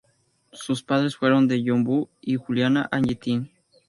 Sus padres fueron John Bo y Juliana Aye Tin.